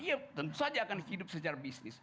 iya tentu saja akan hidup secara bisnis